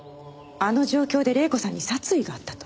あの状況で黎子さんに殺意があったと？